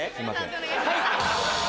判定お願いします。